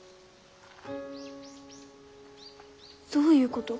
どういうこと？